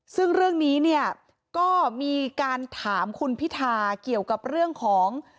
ซึ่งเรื่องนี้เนี่ยก็มีการถามคุณพิธาเกี่ยวกับเรื่องของ